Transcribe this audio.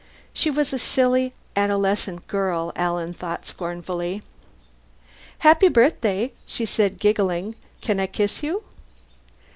She was a silly adolescent girl, Alan thought scornfully. "Happy birthday," she said, giggling. "Can I kiss you?"